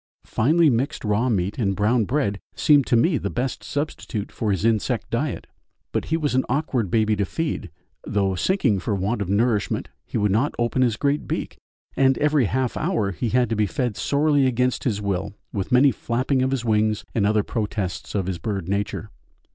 Finely mixed raw meat and brown bread seemed to me the best substitute for his insect diet but he was an awkward baby to feed though sinking for want of nourishment he would not open his great beak, and every half hour he had to be fed sorely against his will with many flapping of his wings and other protests of his bird nature.